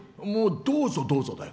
どうぞどうぞだよ。